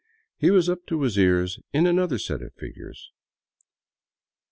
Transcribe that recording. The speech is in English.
He was up to his ears in another set of figures.